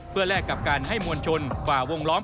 เพื่อแลกกับการให้มวลชนฝ่าวงล้อม